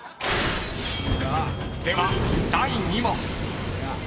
［では第２問］